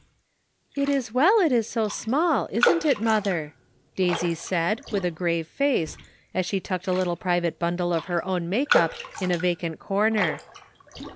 "It is well it is so small, isn't it, mother?" Daisy said, witli a grave face, as she tucked a little private bundle of her own make up in a vacant corner.